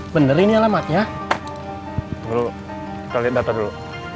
bener ini alamatnya dulu kalian data dulu